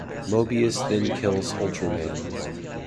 Mobius then kills Ultraman.